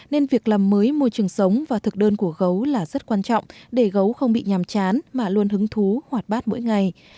nên việc làm mới môi trường sống và thực đơn của gấu là rất quan trọng để gấu không bị nhàm chán mà luôn hứng thú hoạt bát mỗi ngày